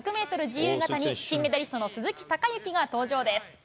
自由形に、金メダリストの鈴木孝幸が登場です。